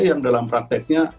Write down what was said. yang dalam prakteknya